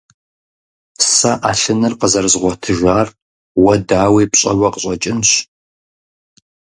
Сэ Ӏэлъыныр къызэрызгъуэтыжар уэ, дауи, пщӀэуэ къыщӀэкӀынщ.